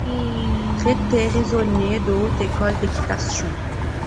Traité raisonné de haute école d'équitation.